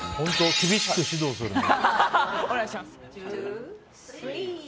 厳しく指導するね。